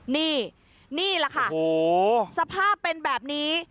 นี่นี่แหละค่ะสภาพเป็นแบบนี้